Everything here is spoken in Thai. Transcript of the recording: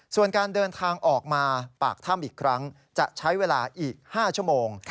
ส่วนการเดินทางออกมาปากถ้ำอีกครั้งจะใช้เวลาอีก๕ชั่วโมง